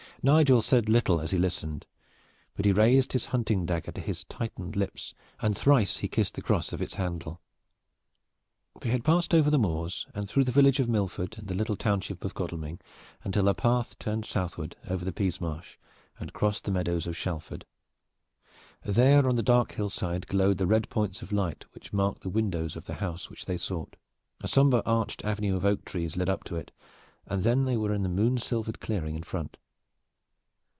Nigel said little as he listened, but he raised his hunting dagger to his tightened lips, and thrice he kissed the cross of its handle. They had passed over the moors and through the village of Milford and the little township of Godalming, until their path turned southward over the Pease marsh and crossed the meadows of Shalford. There on the dark hillside glowed the red points of light which marked the windows of the house which they sought. A somber arched avenue of oak trees led up to it, and then they were in the moon silvered clearing in front.